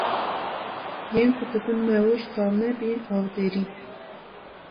Yên ku dibin mewûj talnebî, avdêrî